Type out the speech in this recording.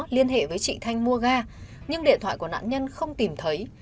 để chị thanh mua ga nhưng điện thoại của nạn nhân không tìm thấy